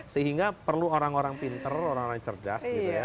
sehingga perlu orang orang pinter orang orang yang cerdas gitu ya